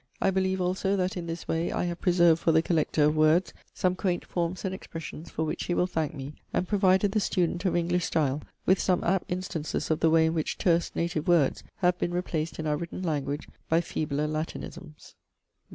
I believe also that in this way I have preserved for the collector of words some quaint forms and expressions for which he will thank me, and provided the student of English style with some apt instances of the way in which terse native words have been replaced in our written language by feebler Latinisms.